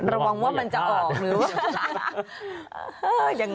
ระวังว่ามันจะออกหรือเปล่า